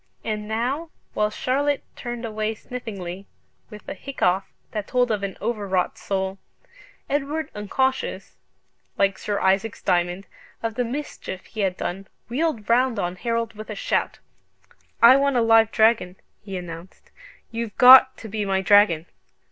And now, while Charlotte turned away sniffingly, with a hiccough that told of an overwrought soul, Edward, unconscious (like Sir Isaac's Diamond) of the mischief he had done, wheeled round on Harold with a shout. "I want a live dragon," he announced: "you've got to be my dragon!"